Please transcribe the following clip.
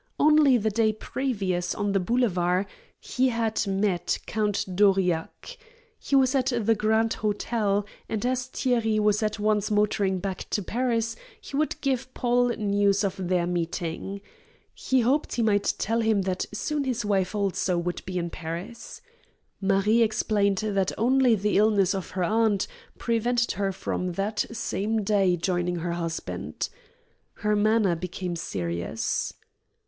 Only the day previous, on the boulevards, he had met Count d'Aurillac. He was at the Grand Hôtel, and as Thierry was at once motoring back to Paris he would give Paul news of their meeting. He hoped he might tell him that soon his wife also would be in Paris. Marie explained that only the illness of her aunt prevented her from that same day joining her husband. Her manner became serious.